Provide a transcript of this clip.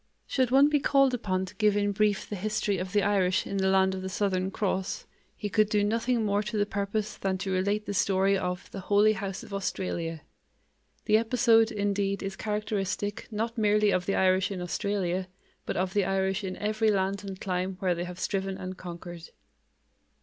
Should one be called upon to give in brief the history of the Irish in the land of the Southern Cross, he could do nothing more to the purpose than to relate the story of the "Holy House of Australia." The episode, indeed, is characteristic, not merely of the Irish in Australia, but of the Irish in every land and clime where they have striven and conquered.